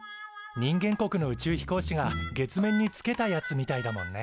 人間国の宇宙飛行士が月面につけたやつみたいだもんね。